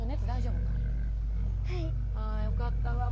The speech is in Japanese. ああよかったわ。